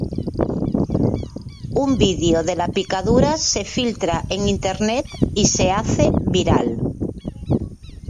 Un vídeo de la picadura se filtra en Internet y se hace viral.